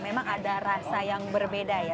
memang ada rasa yang berbeda ya